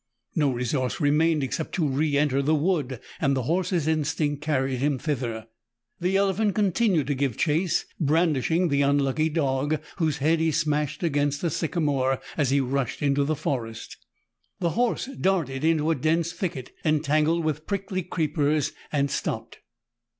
No resource remained except to re enter the wood, and the horse's instinct carried him thither. The elephant continued to give chase, brandishing the unlucky dog, whose head he smashed against a sycamore as he rushed into the forest. The horse darted into a dense thicket entangled with prickly creepers, and stopped.